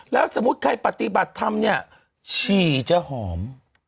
แล้วสมมุติใครปฏิบัติธรรมเนี่ยฉี่จะหอม